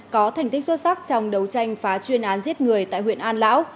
có thành tích xuất sắc trong đấu tranh phá chuyên án giết người tại huyện an lão